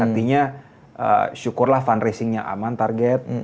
artinya syukurlah fundraisingnya aman target